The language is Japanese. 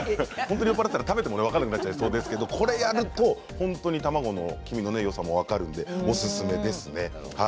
本当に酔っ払ったら食べても分かんなくなっちゃいそうですけどこれやると本当に卵の黄身のよさも分かるんでオススメですね。